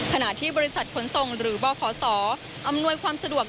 ขณะที่บริษัทขนส่งหรือบขศอำนวยความสะดวก